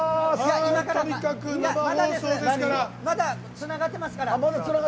まだつながってますから。